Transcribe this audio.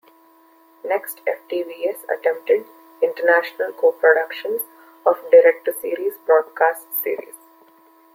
Next FtvS attempted international co-productions of direct-to-series broadcast series.